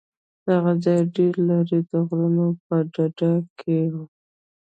دغه ځاى ډېر لرې د غرونو په ډډه کښې و.